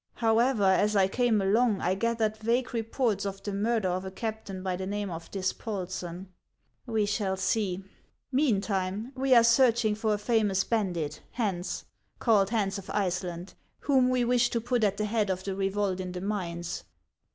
However, as I came along I gathered vague reports of the murder of a captain by the name of Dis polsen. We shall see. Meantime we are searching for a famous bandit, Hans, called Hans of Iceland, whom we wish to put at the head of the revolt in the mines.